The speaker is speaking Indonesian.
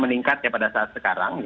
meningkat pada saat sekarang